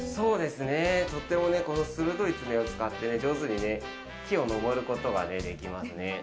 とっても鋭い爪を使って上手に木を登ることができますね。